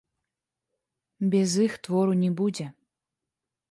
Без іх твору не будзе.